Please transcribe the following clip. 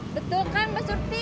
betul kan mbak surti